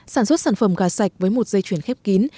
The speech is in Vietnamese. sản xuất sản phẩm gà sạch với một dây chuyển khép kín